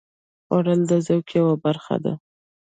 خوړل د ذوق یوه برخه ده